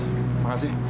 yaudah mas makasih